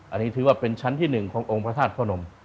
อันนี้ถือว่าเป็นชั้นที่๑ขององค์พระธาตุพระนม